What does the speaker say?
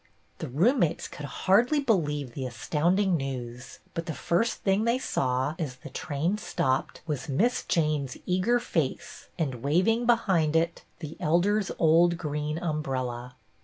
The roommates could hardly believe the astound ing news, but the first thing they saw, as the train stopped, was Miss Jane's eager face and, waving behind it, the Elder's old green umbrella.